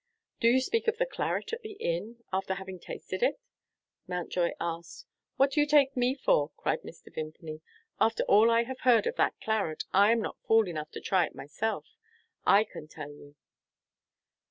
"Do you speak of the claret at the inn, after having tasted it?" Mountjoy asked. "What do you take me for?" cried Mr. Vimpany. "After all I have heard of that claret, I am not fool enough to try it myself, I can tell you."